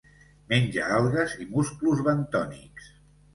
Menja algues i musclos bentònics.